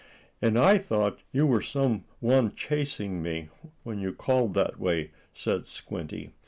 "And I thought you were some one chasing me, when you called that way," said Squinty.